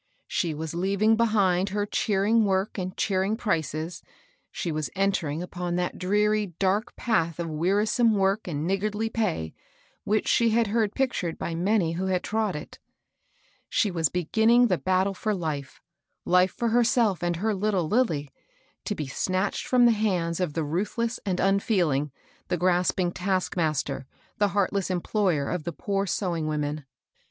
She was leaving behind her cheering work and cheering prices; she was entering upon that dreary, dark path of wearisome work and nig A SEARCH FOB WORK. 89 gardly pay, which she had heard pictured by many who bad trod it. She was beginnikig the battle for life, — life for herself and her Uttle Lilly, — to be snatched fix)m the hands of the mthless and unfeeling, the grasping taskmaster, the heartless employer of the poor sewing woqjen.